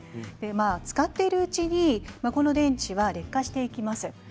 使っているうちにこの電池は劣化していきます。